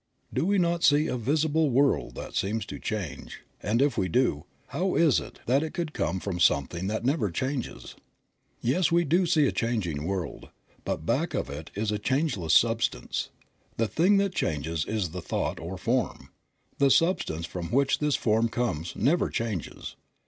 Do we not see a visible world that seems to change, and if we do, how is it that it could come from something that never changes? Yes, we do see a changing world, but back of it is a changeless substance. The thing that changes is the thought or form; the substance from which this form comes never changes.